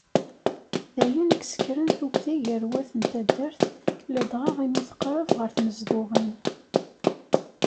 D ayen i isekkren tuggdi gar wat n taddart, ladɣa imi teqreb ɣer tnezduɣin.